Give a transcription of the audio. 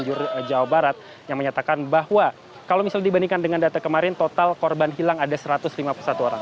di jawa barat yang menyatakan bahwa kalau misalnya dibandingkan dengan data kemarin total korban hilang ada satu ratus lima puluh satu orang